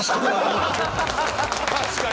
確かに。